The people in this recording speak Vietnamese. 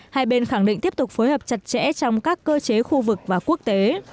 hai bên khẳng định tiếp tục phối hợp chặt chẽ trong các cơ chế khu vực và quốc tế